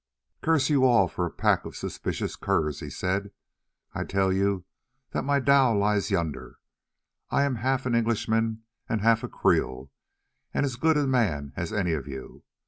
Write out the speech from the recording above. "Curse you all for a pack of suspicious curs!" he said; "I tell you that my dhow lies yonder. I am half an Englishman and half a Creole, and as good a man as any of you.